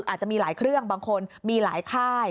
อาจจะมีหลายเครื่องบางคนมีหลายค่าย